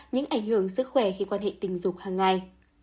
những ảnh hưởng sức khỏe khi quan hệ tình dục hàng ngày